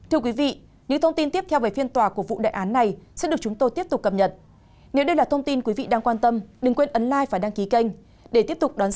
hãy đăng ký kênh để nhận thông tin nhất